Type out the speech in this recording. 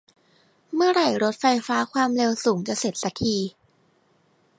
เมื่อไหร่รถไฟฟ้าความเร็วสูงจะเสร็จสักที